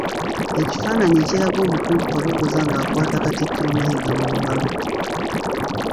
Ekifaananyi ekiraga Omukungu Kabogoza nga akwata Katikkiro Mayiga mu ngalo.